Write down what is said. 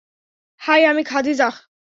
High, আমি খাদিজাহ।